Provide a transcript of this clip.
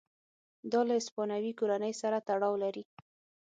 دا له هسپانوي کورنۍ سره تړاو لري.